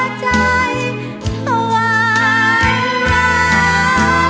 หัวใจเหมือนไฟร้อน